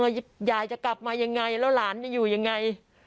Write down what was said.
ยายจะกลับมายังไงแล้วหลานจะอยู่ยังไง